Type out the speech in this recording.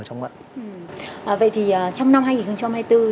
vậy thì trong năm hai nghìn hai mươi bốn